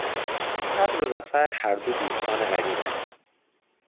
صبر و ظفر هر دو دوستان قدیماند...